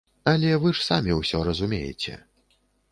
Але вы ж самі ўсё разумееце!